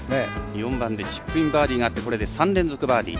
４番でチップインバーディーがあってこれで３連続バーディー。